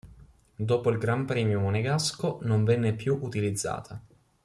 Dopo il gran premio monegasco non venne più utilizzata.